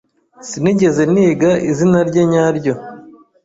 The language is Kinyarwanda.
Sinigeze niga izina rye nyaryo.